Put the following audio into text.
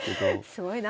すごいな。